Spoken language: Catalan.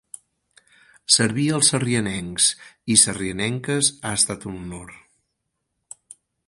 Servir als sarrianencs i sarrianenques ha estat un honor.